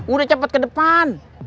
udah cepet ke depan